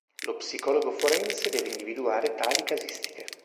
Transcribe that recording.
Lo psicologo forense deve individuare tali casistiche.